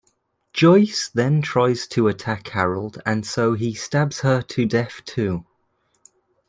Joyce then tries to attack Harold and so he stabs her to death too.